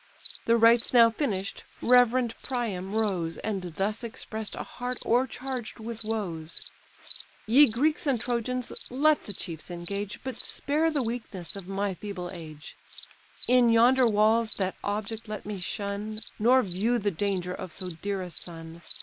The rites now finish'd, reverend Priam rose, And thus express'd a heart o'ercharged with woes: "Ye Greeks and Trojans, let the chiefs engage, But spare the weakness of my feeble age: In yonder walls that object let me shun, Nor view the danger of so dear a son.